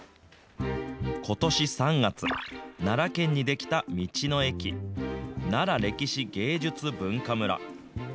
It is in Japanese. ことし３月、奈良県に出来た道の駅、なら歴史芸術文化村。